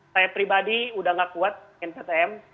saya pribadi udah gak kuat nttm